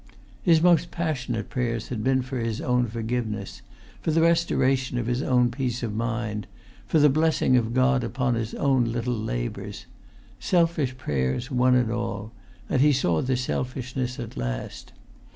His most passionate prayers had been for his own forgiveness, for the restoration of his own peace of mind, for the blessing of God upon his own little labours; selfish prayers, one and all; and he saw the selfishness at last.